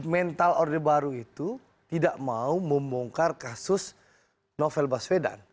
mental orde baru itu tidak mau membongkar kasus novel baswedan